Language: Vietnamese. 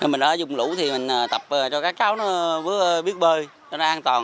mình đã dùng lũ thì mình tập cho các cháu nó biết bơi cho nó an toàn